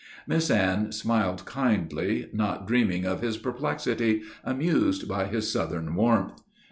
Miss Anne smiled kindly, not dreaming of his perplexity, amused by his Southern warmth.